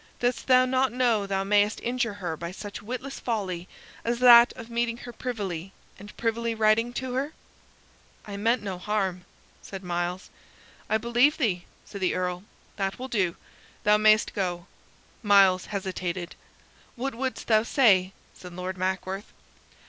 Dost thou not know thou mayst injure her by such witless folly as that of meeting her privily, and privily writing to her?" "I meant no harm," said Myles. "I believe thee," said the Earl. "That will do now; thou mayst go." Myles hesitated. "What wouldst thou say?" said Lord Mackworth.